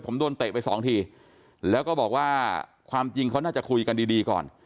ผมโดนเตะไปสองทีแล้วก็บอกว่าความจริงเขาน่าจะคุยกันดีดีก่อน